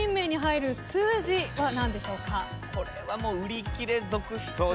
これはもう売り切れ続出して。